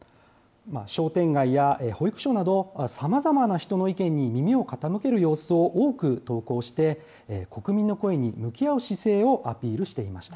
商店街や保育所など、さまざまな人の意見に耳を傾ける様子を多く投稿して、国民の声に向き合う姿勢をアピールしていました。